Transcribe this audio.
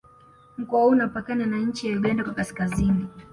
Mkoa huu unapakana na nchi ya Uganda kwa Kaskazini